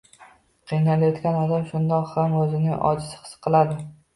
Qiynalayotgan odam shundoq ham o‘zini ojiz his qiladi.